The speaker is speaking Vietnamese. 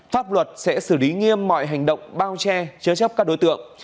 pháp luật sẽ xử lý nghiêm mọi hành động bao che chớ chấp các đối tượng